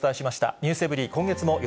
ｎｅｗｓｅｖｅｒｙ．今月もよ